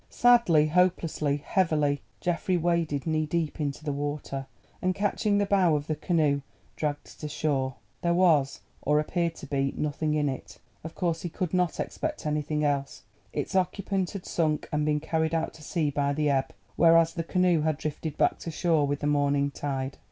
Sadly, hopelessly, heavily, Geoffrey waded knee deep into the water, and catching the bow of the canoe, dragged it ashore. There was, or appeared to be, nothing in it; of course he could not expect anything else. Its occupant had sunk and been carried out to sea by the ebb, whereas the canoe had drifted back to shore with the morning tide.